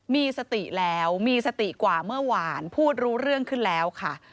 มีสติแล้วมีสติกว่าเมื่อวานพูดรู้เรื่องขึ้นแล้วค่ะ